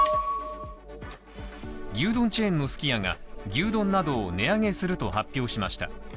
牛丼チェーンのすき家が、牛丼などを値上げすると発表しました。